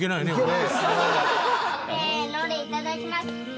せーのでいただきます。